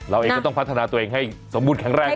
เราเองก็ต้องพัฒนาตัวเองให้สมบูรณแข็งแรง